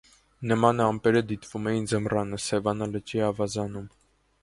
Նման ամպեր դիտվում են ձմռանը՝ Սևանա լճի ավազանում։